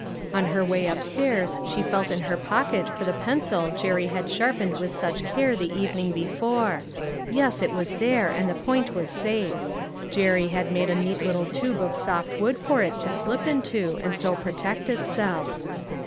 ^ On her way up stairs she felt in her pocket for the pencil Jerry had sharpened with such care the evening before ; yes, it was there, and the point was safe. Jerry had made a neat little tube of soft wood for it to slip into, and so protect itself.